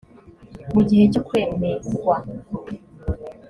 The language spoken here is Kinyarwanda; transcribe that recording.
mu gihe cyo kwemerwa